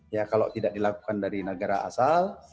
ya kalau tidak dilakukan dari negara asal